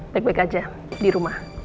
baik baik aja di rumah